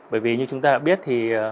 bởi vì như chúng ta đã biết thì